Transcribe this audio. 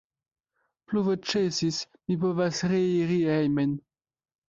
Pluvo ĉesis, mi povas reiri hejmen.